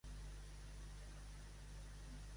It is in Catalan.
Ens va dir, en diverses llengües